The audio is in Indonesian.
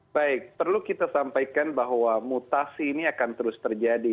baik perlu kita sampaikan bahwa mutasi ini akan terus terjadi